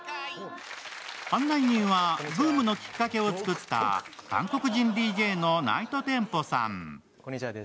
案内人はブームのきっかけをつくった韓国人ＤＪのナイトテンポさん